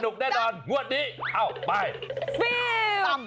สนุกแน่นอนงวดนี้เอ้าไปฟิ้วจม